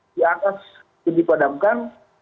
di atas ini dipadamkan